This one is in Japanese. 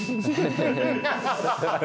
ハハハハ。